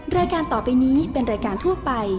รายการต่อไปนี้เป็นรายการทั่วไป